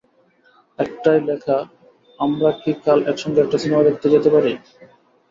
একটায় লেখা, আমরা কি কাল একসঙ্গে একটা সিনেমা দেখতে যেতে পারি?